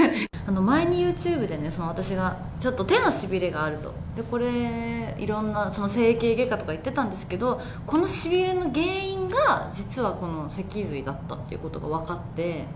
前にユーチューブでね、私がちょっと手のしびれがあると、これ、いろんな整形外科とか行ってたんですけど、このしびれの原因が実はこの脊髄だったっていうことが分かって。